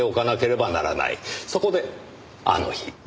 そこであの日。